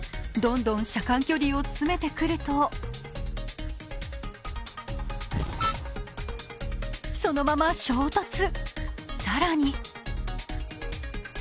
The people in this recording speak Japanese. どんどん車間距離を詰めてくるとそのまま衝突。